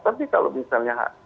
tapi kalau misalnya